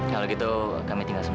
kalau gitu kami tinggal di rumah